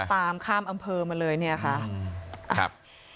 ตามข้ามอำเภอมาเลยเนี่ยค่ะครับ